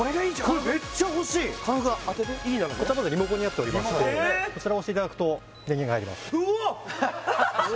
これ狩野さん当ててになっておりましてこちらを押していただくと電源が入りますうわっ！